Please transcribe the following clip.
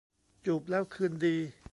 จูบแล้วคืนดี